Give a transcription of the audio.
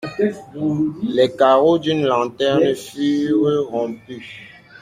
Les carreaux d'une lanterne furent rompus.